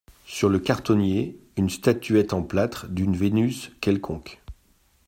Sur le cartonnier, une statuette en plâtre d’une Vénus quelconque.